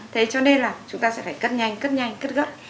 thế cho nên là chúng ta sẽ phải cất nhanh cất nhanh cất gấp